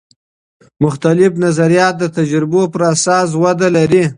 مختلف نظریات د تجربو پراساس وده لري.